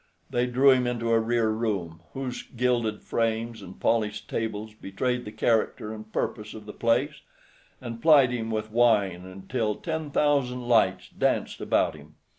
They drew him into a rear room, whose gilded frames and polished tables betrayed the character and purpose of the place, and plied him with wine until ten thousand lights danced about him.